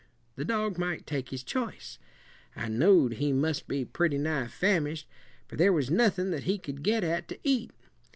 The dog might take his choice. I know'd he must be pretty nigh famished, for there was nothin' that he could get at to eat.